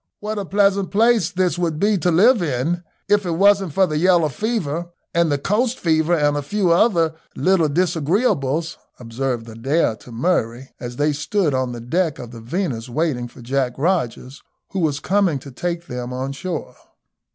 "What a pleasant place this would be to live in if it wasn't for the yellow fever, and the coast fever, and a few other little disagreeables," observed Adair to Murray, as they stood on the deck of the Venus waiting for Jack Rogers, who was coming to take them on shore.